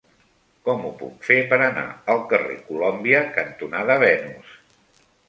Com ho puc fer per anar al carrer Colòmbia cantonada Venus?